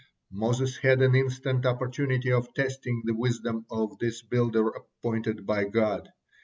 Moses had an instant opportunity of testing the wisdom of this builder appointed by God.